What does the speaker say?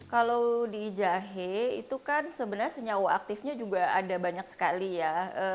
kalau di jahe itu kan sebenarnya senyawa aktifnya juga ada banyak sekali ya